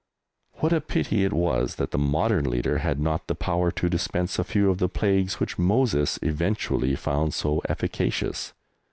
What a pity it was that the modern leader had not the power to dispense a few of the plagues which Moses eventually found so efficacious.